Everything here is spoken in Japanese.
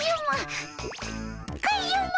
カズマ！